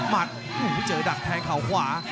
มัดโหเจอดังแทงเขาขวา